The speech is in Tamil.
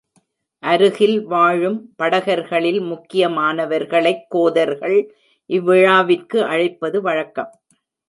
அருகில் வாழும் படகர்களில் முக்கியமானவர்களைக் கோதர்கள் இவ்விழாவிற்கு அழைப்பது வழக்கம்.